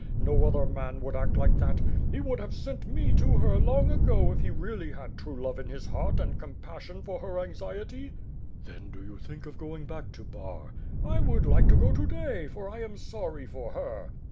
No other man would act like that. He v/ould have sent me to her long ago if he really had true love in his heart and compassion for her anxiety." "Then do you think of going back to Bar?" "I would like to go to day, for I am sorry for her."